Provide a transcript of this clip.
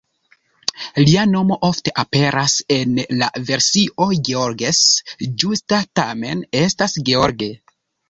Lia nomo ofte aperas en la versio "Georges"; ĝusta tamen estas "George".